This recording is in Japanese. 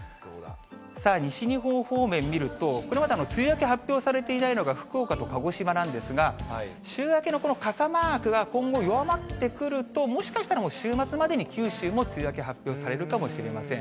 西日本方面を見ると、これまだ梅雨明け発表されていないのが、福岡と鹿児島なんですが、週明けのこの傘マークが今後、弱まってくると、もしかしたらもう週末までに九州も梅雨明け発表されるかもしれません。